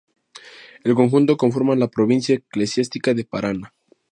El conjunto conforma la provincia eclesiástica de Paraná.